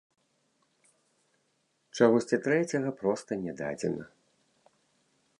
Чагосьці трэцяга проста не дадзена.